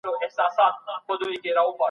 نوښتګر خلګ تل مطالعه کوي.